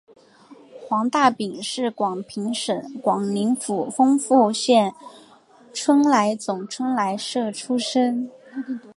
黄大秉是广平省广宁府丰富县春来总春来社出生。